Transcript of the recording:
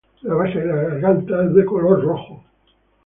La base de la garganta es de color rojo.